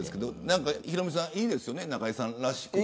ヒロミさんいいですよね中居さんらしくて。